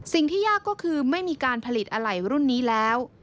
สิ่งที่ยากก็คือไม่มีการผลิตอะไหล่รุ่นนี้แล้ว